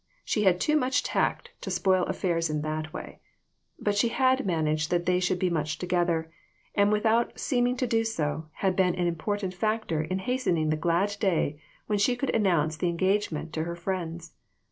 She had too much tact to spoil affairs in that way ; but she had managed that they should be much together ; and without seeming to do so, had been an important factor in hastening the glad day when she could announce the engagement to her friends.